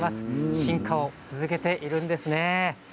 進化を続けているんですね。